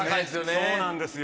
そうなんですよ